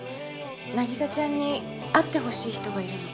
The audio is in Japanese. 凪沙ちゃんに会ってほしい人がいるの。